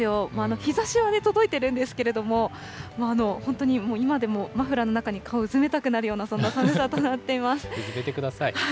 日ざしは届いているんですけれども、もう本当に、今でもマフラーの中に顔をうずめたくなるような、そんな寒さとなうずめてください。